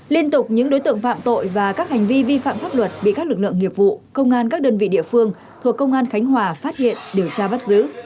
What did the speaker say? liên tục những đối tượng phạm tội và các hành vi vi phạm pháp luật bị các lực lượng nghiệp vụ công an các đơn vị địa phương thuộc công an khánh hòa phát hiện điều tra bắt giữ